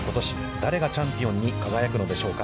誰がチャンピオンに輝くのでしょうか。